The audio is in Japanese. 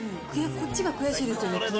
こっちが悔しいですよね。